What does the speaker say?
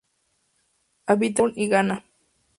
Habita en Camerún y Ghana.